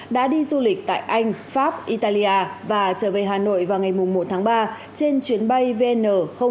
đã đi du lịch tại anh pháp italia và trở về hà nội vào ngày một tháng ba trên chuyến bay vn năm mươi